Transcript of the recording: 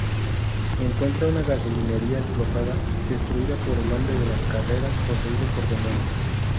Encuentra una gasolinera explotada, destruida por el Hombre de las Carreras poseído por demonios.